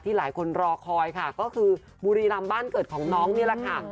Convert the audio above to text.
หลายคนรอคอยค่ะก็คือบุรีรำบ้านเกิดของน้องนี่แหละค่ะ